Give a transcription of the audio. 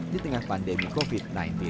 di tengah pandemi covid sembilan belas